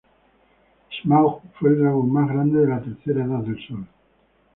Smaug fue el dragón más grande de la Tercera Edad del Sol.